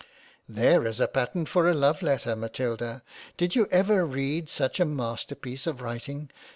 There is a pattern for a Love letter Matilda ! Did you ever read such a master piece of Writing